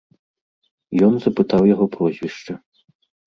Ён запытаў яго прозвішча.